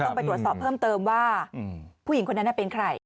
ต้องไปตรวจสอบเพิ่มเติมว่าผู้หญิงคนนั้นเป็นใคร